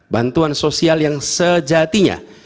bantuan sosial yang sejatinya